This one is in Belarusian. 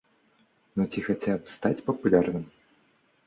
Ну ці хаця б стаць папулярным?